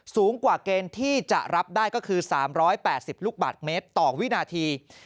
สูงกว่าเกณฑ์ที่จะรับได้ก็คือ๓๘๐ลูกบาทเมตรต่อวินาที